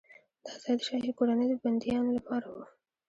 دا ځای د شاهي کورنۍ د بندیانو لپاره و.